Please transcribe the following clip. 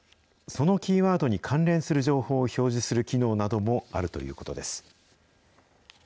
そのキーワードに関連する情報を表示する機能などもあるということです。